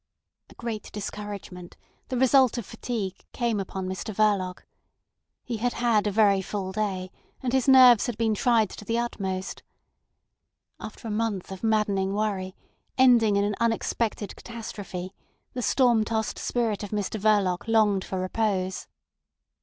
A great discouragement, the result of fatigue, came upon Mr Verloc. He had had a very full day, and his nerves had been tried to the utmost. After a month of maddening worry, ending in an unexpected catastrophe, the storm tossed spirit of Mr Verloc longed for repose.